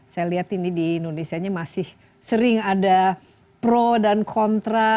saya lihat ini di indonesia nya masih sering ada pro dan kontra